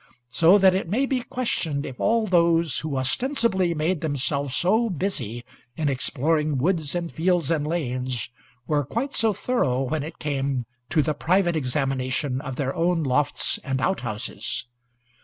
So that it may be questioned if all those who ostensibly made themselves so busy in exploring woods and fields and lanes were quite so thorough when it came to the private examination of their own lofts and outhouses.